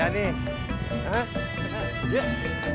wah sendiri aja nih